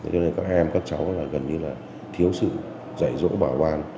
cho nên các em các cháu gần như là thiếu sự giải rỗ bảo quan